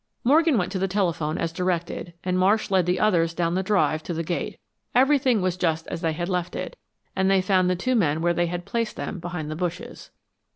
Morgan went to the telephone as directed, and Marsh led the others down the drive to the gate. Everything was just as they had left it, and they found the two men where they had placed them, behind the bushes.